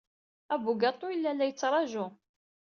Abugaṭu yella la t-yettṛaju.